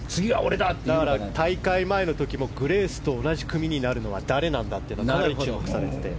大会前の時もグレースと同じ組になるのは誰なんだとかなり注目されていて。